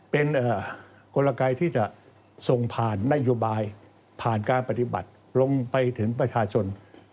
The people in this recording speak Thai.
เป็นกลไกที่จะส่งผ่านนโยบายผ่านการปฏิบัติลงไปถึงประชาชน